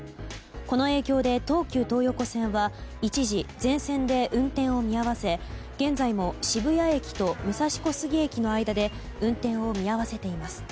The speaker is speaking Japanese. この影響で東急東横線は一時全線で運転を見合わせ現在も渋谷駅と武蔵小杉駅の間で運転を見合わせています。